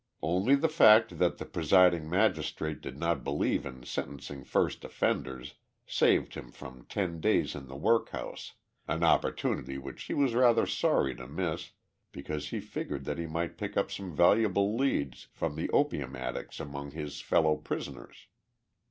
Only the fact that the presiding magistrate did not believe in sentencing first offenders saved him from ten days in the workhouse, an opportunity which he was rather sorry to miss because he figured that he might pick up some valuable leads from the opium addicts among his fellow prisoners.